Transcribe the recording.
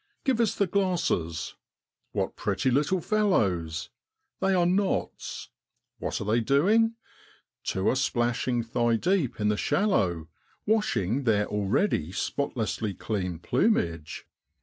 Grive us the glasses. What pretty little fellows! they are knots. What are they doing? Two are splashing thigh deep in the shallow, washing their already spotlessly clean plumage.